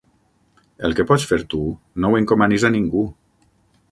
El que pots fer tu, no ho encomanis a ningú!